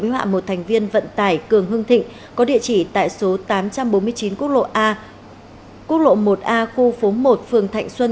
hữu hạ một thành viên vận tải cường hương thịnh có địa chỉ tại số tám trăm bốn mươi chín quốc lộ một a khu phố một phường thạnh xuân